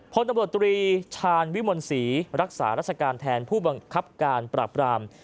พลตำรวจตรีชาญวิมลศรีรักษารัชการแทนผู้บังคับการปราบราม